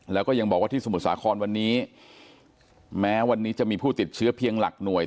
แล้วก็ยังบอกว่าที่สมุทรสาครวันนี้แม้วันนี้จะมีผู้ติดเชื้อเพียงหลักหน่วย